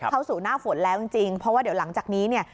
เข้าสู่หน้าฝนแล้วจริงเพราะว่าเดี๋ยวหลังจากนี้เนี่ย